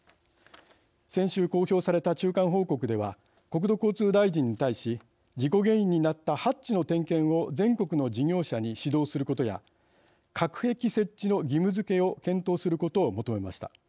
先週、公表された中間報告では国土交通大臣に対し事故原因になったハッチの点検を全国の事業者に指導することや隔壁設置の義務づけを検討することを求めました。